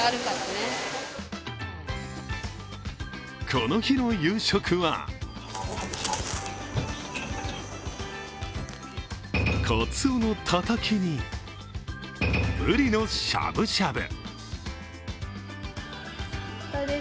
この日の夕食はかつおのたたきに、ぶりのしゃぶしゃぶ。